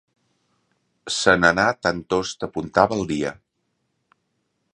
Se n'anà tantost apuntava el dia.